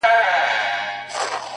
ستا هغه ګوته طلایي چیري ده،